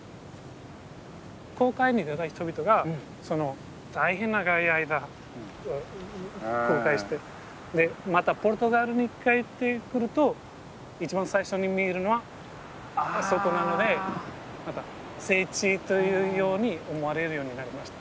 航海に出た人々が大変長い間航海してでまたポルトガルに帰ってくると一番最初に見えるのはあそこなので聖地というように思われるようになりました。